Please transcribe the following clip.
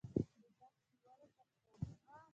د تخت نیولو پر سر.